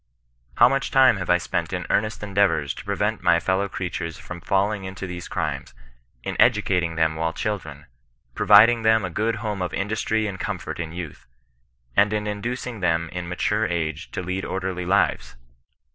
How much time have I spent in earnest endeavours to prevent my fellow crea tures from falling into these crimes, in educating them while children, providing them a good home of industry and comfort in youth, and in inducing them in mature age to lead orderly lives